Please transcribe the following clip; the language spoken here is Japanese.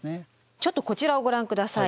ちょっとこちらをご覧ください。